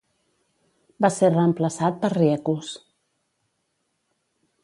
Va ser reemplaçat per Riekus.